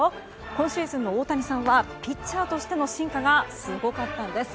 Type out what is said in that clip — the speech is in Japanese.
今シーズンの大谷さんはピッチャーとしての進化がすごかったんです。